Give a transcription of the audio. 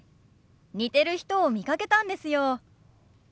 似てる人を見かけたんですよ。